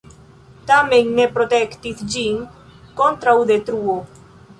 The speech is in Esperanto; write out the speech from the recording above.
Tamen ne protektis ĝin kontraŭ detruo.